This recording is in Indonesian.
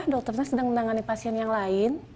dokternya sedang menangani pasien yang lain